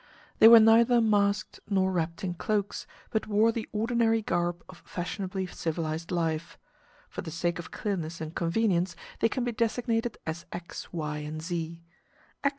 They were neither masked nor wrapped in cloaks, but wore the ordinary garb of fashionably civilized life. For the sake of clearness and convenience, they can be designated as X, Y, and Z.